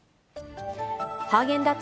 ハーゲンダッツ